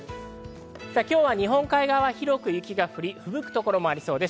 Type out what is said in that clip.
今日は日本海側は広く雪が降り、吹雪くところもありそうです。